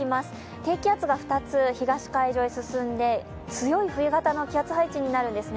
低気圧が２つ、東海上に進んで、強い冬型の気圧配置になるんですね。